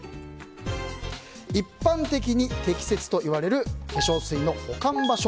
一般的に適切といわれる化粧水の保管場所